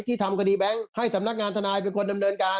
ทำคดีแบงค์ให้สำนักงานทนายเป็นคนดำเนินการ